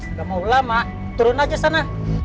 ngga mau lama turun aja sana